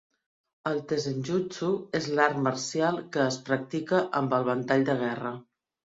El tessenjutsu és l'art marcial que es practica amb el ventall de guerra.